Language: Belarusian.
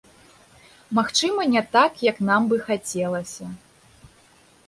Магчыма, не так, як нам бы хацелася.